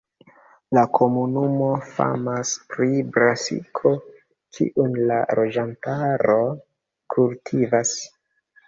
La komunumo famas pri brasiko, kiun la loĝantaro kultivas.